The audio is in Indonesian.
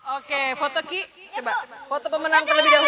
oke foto ki coba foto pemenang terlebih dahulu